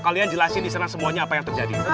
kalian jelasin disana semuanya apa yang terjadi